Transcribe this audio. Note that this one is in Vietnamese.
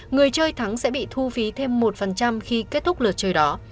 người chơi thắng sẽ bị thu phí thêm một khi kết thúc lượt chơi đó